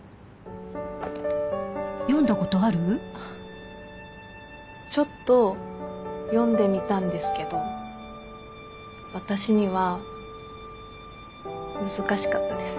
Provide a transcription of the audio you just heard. あっちょっと読んでみたんですけど私には難しかったです。